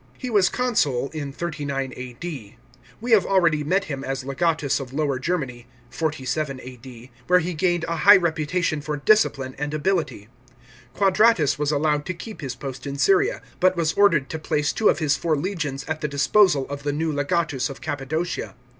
He was consul in 39 A.D. We have already met him as legatus of Lower Germany (47 A.D.), where he gained a high reputation for discipline and ability. Quadratus was allowed to keep his post in Syria, but was ordered to place two of his four legions at the disposal of the new legatus of Cappadocia.